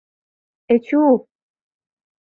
Эчу-ук?